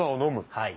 はい。